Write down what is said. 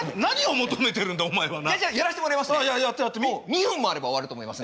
２分もあれば終わると思いますので。